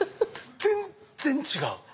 全然違う！